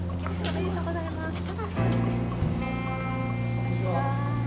こんにちは。